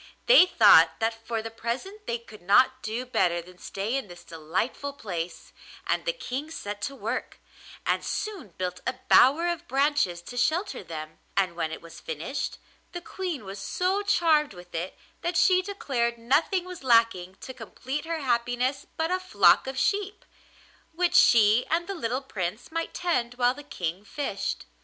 They thought that for the present they could not do better than stay in this delightful place, and the King set to work, and soon built a bower of branches to shelter them; and when it was finished the Queen was so charmed with it that she declared nothing was lacking to complete her happiness but a flock of sheep, which she and the little Prince might tend while the King fished.